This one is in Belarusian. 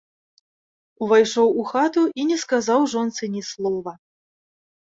Увайшоў у хату і не сказаў жонцы ні слова.